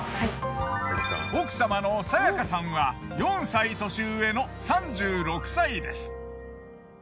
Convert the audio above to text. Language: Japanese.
奥様の清香さんは４歳年上の３６歳です。